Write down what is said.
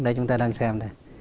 đây chúng ta đang xem đây